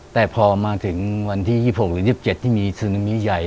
แต่พอมาถึงวันที่๒๖หรือ๒๗ที่มีซึนามิใหญ่